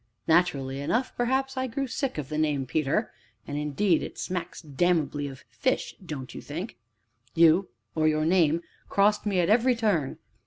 Naturally enough, perhaps, I grew sick of the name of Peter (and, indeed, it smacks damnably of fish, don't you think?) you, or your name, crossed me at every turn.